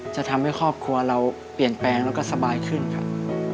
จะทำให้ครอบครัวเราเปลี่ยนแปลงแล้วก็สบายขึ้นครับ